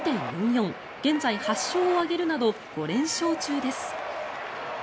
現在、８勝を挙げるなど５連勝中です。